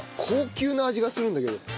高級な味がするんだけど。